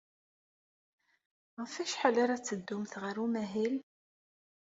Ɣef wacḥal ara teddumt ɣer umahil?